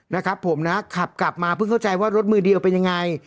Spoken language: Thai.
นะครับผมนะขับกลับมาเพิ่งเข้าใจว่ารถมือเดียวเป็นยังไง